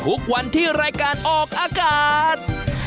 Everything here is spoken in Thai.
ทุกวันที่รายการออกอากาศ